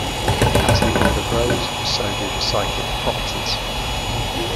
As the order grows, so do the psychic properties.